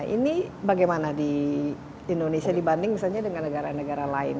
ini bagaimana di indonesia dibanding misalnya dengan negara negara lain